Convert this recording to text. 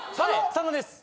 佐野です